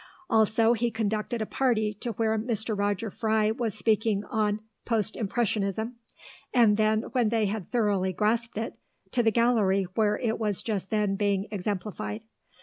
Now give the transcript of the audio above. Also he conducted a party to where Mr. Roger Fry was speaking on Post Impressionism, and then, when they had thoroughly grasped it, to the gallery where it was just then being exemplified.